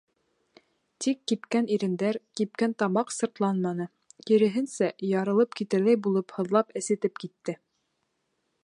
Тик кипкән ирендәр, кипкән тамаҡ «сыртламаны», киреһенсә, ярылып китерҙәй булып һыҙлап-әсетеп китте.